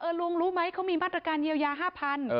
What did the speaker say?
ลุงรู้ไหมเขามีมาตรการเยียวยา๕๐๐บาท